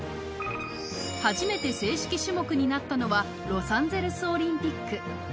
初めて正式種目になったのはロサンゼルスオリンピック。